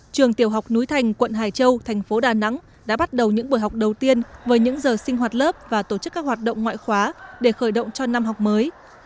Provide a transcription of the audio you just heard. trường tiểu học núi thành quận hải châu thành phố đà nẵng đã bắt đầu những buổi học đầu tiên với những giờ sinh hoạt lớp và tổ chức các hoạt động ngoại khóa để khởi động cho năm học mới